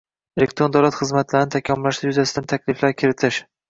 elektron davlat xizmatlarini takomillashtirish yuzasidan takliflar kiritish.